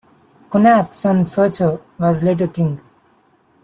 Connad's son Ferchar was later king.